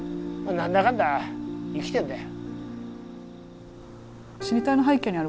何だかんだ生きてんだよ。